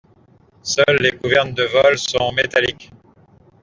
Seules les gouvernes de vol sont métalliques.